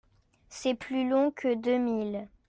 C’est plus long que deux miles.